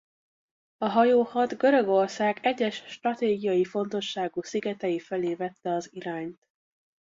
A hajóhad Görögország egyes stratégiai fontosságú szigetei felé vette az irányt.